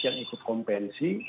yang ikut kompensi